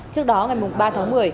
trước đó ngày ba tháng một mươi